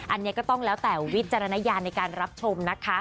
อันนี้ก็ต้องแล้วแต่วิจารณญาณในการรับชมนะคะ